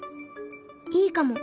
いいかも。